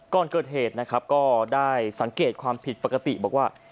ก่อนเกิดเหตุนะครับก็ได้สังเกตความผิดปกติบอกว่า